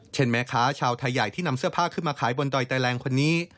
แม่ค้าชาวไทยใหญ่ที่นำเสื้อผ้าขึ้นมาขายบนดอยไตแรงคนนี้